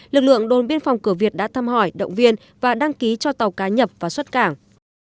lực lượng đồn biên phòng cửa việt đã thăm hỏi động viên và đăng ký cho tàu cá nhập và xuất cảng